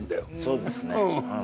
そうですね。